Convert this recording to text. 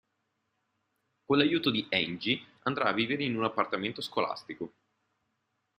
Con l'aiuto di Angie andrà a vivere in un appartamento scolastico.